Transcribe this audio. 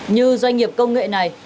như doanh nghiệp công nghệ này